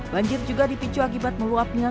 banjir juga dipicu akibat meluapnya